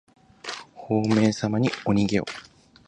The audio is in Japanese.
ほうめいさまおにげよ。